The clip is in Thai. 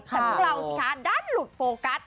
แต่พวกเราสิคะด้านหลุดโฟกัส